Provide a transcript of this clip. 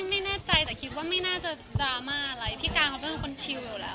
ไม่แน่ใจแต่คิดว่าไม่น่าจะดราม่าอะไรพี่การเขาเป็นคนชิวอยู่แล้ว